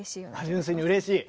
純粋にうれしい？